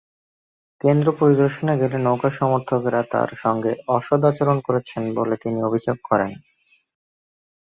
কেন্দ্র পরিদর্শনে গেলে নৌকা-সমর্থকেরা তাঁর সঙ্গে অসদাচরণ করেছেন বলে তিনি অভিযোগ করেন।